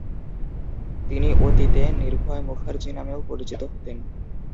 তিনি অতীতে নির্ভয় মুখার্জী নামেও পরিচিত হতেন।